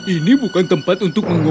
ini bukan tempat untuk menggunakan